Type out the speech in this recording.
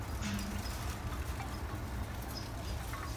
يا بلادي